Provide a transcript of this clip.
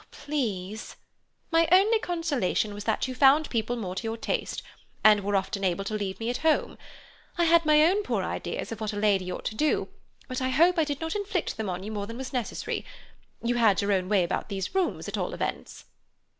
"Please—" "My only consolation was that you found people more to your taste, and were often able to leave me at home. I had my own poor ideas of what a lady ought to do, but I hope I did not inflict them on you more than was necessary. You had your own way about these rooms, at all events."